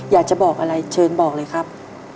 อยากจะบอกอะไรเชิญบอกเลยครับ